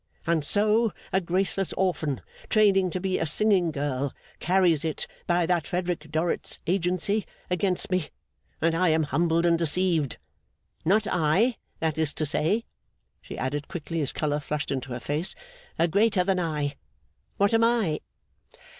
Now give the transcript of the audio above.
And so, a graceless orphan, training to be a singing girl, carries it, by that Frederick Dorrit's agency, against me, and I am humbled and deceived! Not I, that is to say,' she added quickly, as colour flushed into her face; 'a greater than I. What am I?